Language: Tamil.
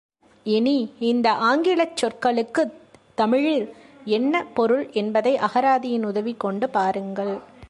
இனி, இந்த ஆங்கிலச் சொற்களுக்குத் தமிழில் என்ன பொருள் என்பதை அகராதியின் உதவி கொண்டு பாருங்கள்.